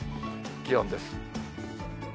気温です。